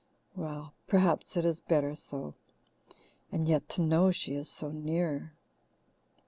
Well, perhaps it is better so. And yet to know she is so near!